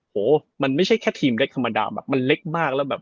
โหมันไม่ใช่แค่ทีมเล็กธรรมดาแบบมันเล็กมากแล้วแบบ